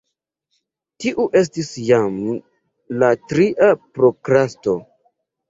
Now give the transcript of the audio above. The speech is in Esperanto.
Tiu estis jam la tria prokrasto.